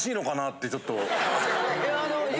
いやあの。